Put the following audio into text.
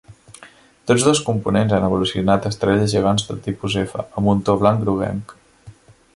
Tots dos components han evolucionat a estrelles gegants de tipus F amb un to blanc-groguenc.